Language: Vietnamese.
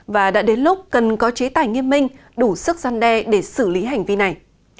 và đã đến lúc cần có chế tài nghiêm minh đủ sức gian đe để xử lý hành vi này